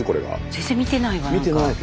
全然見てないわ。